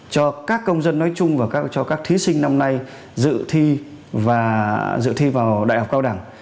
cho các công dân nói chung và cho các thí sinh năm nay dự thi vào đại học cao đẳng